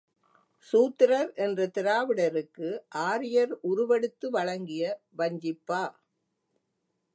சூத்திரர் என்ற திராவிடருக்கு ஆரியர் உருவெடுத்து வழங்கிய வஞ்சிப்பா!